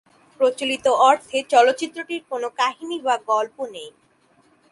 প্রচলিত অর্থে চলচ্চিত্রটির কোনো কাহিনী বা গল্প নেই।